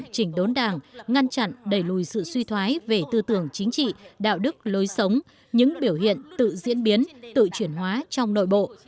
chỉnh đốn đảng ngăn chặn đẩy lùi sự suy thoái về tư tưởng chính trị đạo đức lối sống những biểu hiện tự diễn biến tự chuyển hóa trong nội bộ